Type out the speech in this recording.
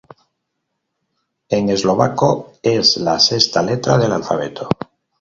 En eslovaco es la sexta letra del alfabeto.